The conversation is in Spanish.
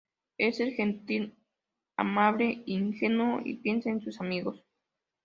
Él es gentil, amable, ingenuo y piensa en sus amigos.